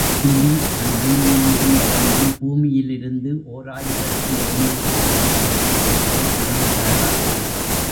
பிதி அந்நுனியிலிருந்தவண்ணம் பூமியிலிருந்து ஓர் ஆயிரத்து எண்ணூறு எருமைகளை மேலே கொணர்ந்தாராம்.